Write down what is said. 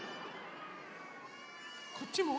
こっちも？